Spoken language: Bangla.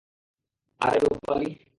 আরে, রূপালি!